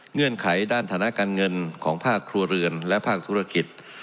เงื่อนไขด้านฐานะการเงินของภาคครัวเรือนและภาคธุรกิจ